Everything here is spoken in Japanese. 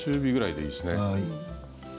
はい。